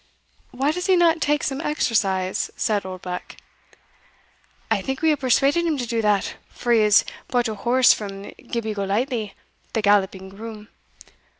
"Why does he not take some exercise?" said Oldbuck. "I think we have persuaded him to do that, for he has bought a horse from Gibbie Golightly, the galloping groom.